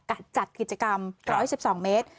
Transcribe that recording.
จัดกิจกรรม๑๑๒เมตร